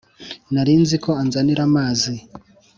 Narinziko anzanira amazi